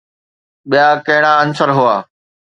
ٻيا ڪهڙا عنصر هئا؟